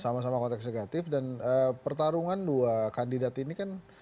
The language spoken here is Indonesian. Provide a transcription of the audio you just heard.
sama sama konteks negatif dan pertarungan dua kandidat ini kan